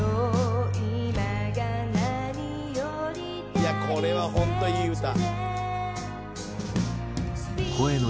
「いやこれは本当いい歌」